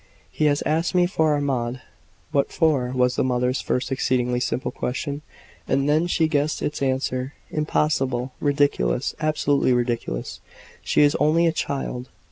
He has asked me for our Maud." "What for?" was the mother's first exceedingly simple question and then she guessed its answer. "Impossible! Ridiculous absolutely ridiculous! She is only a child."